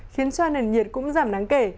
khiến cho nền nhiệt cũng giảm nắng kể